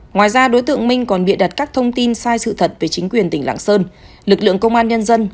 ngoài ra đối tượng minh còn bịa đặt các thông tin sai sự thật về chính quyền tỉnh lạng sơn lực lượng công an nhân dân